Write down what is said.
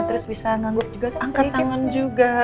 terus bisa nganggup juga angkat tangan juga